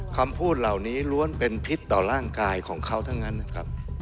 คำพูดเหล่านี้ล้วนเป็นพิษต่อร่างกายของเขาทั้งนั้นนะครับ